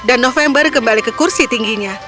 dan november kembali ke kursi tingginya